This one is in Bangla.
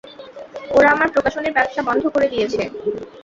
ওরা আমার প্রকাশনীর ব্যবসা বন্ধ করে দিয়েছে।